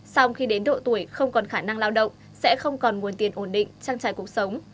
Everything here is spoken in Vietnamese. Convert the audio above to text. sau khi đến độ tuổi không còn khả năng lao động sẽ không còn nguồn tiền ổn định trang trải cuộc sống